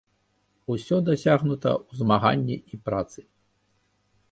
Усё дасягнута ў змаганні і працы.